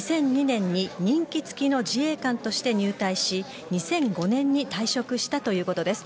２００２年に任期付きの自衛官として入隊し２００５年に退職したということです。